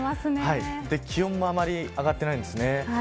気温もあんまり上がっていないんですね。